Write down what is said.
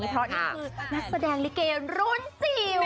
เพราะนี่คือนักแสดงลิเกรุ่นจิ๋ว